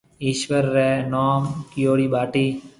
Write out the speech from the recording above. ايشوَر رَي نوم ڪيئوڙِي ٻاٽِي۔